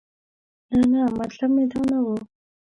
نه نه مطلب مې دا نه و.